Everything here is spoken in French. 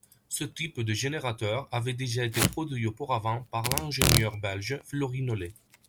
Ce type de générateur avait déjà été produit auparavant par l'ingénieur belge Floris Nollet.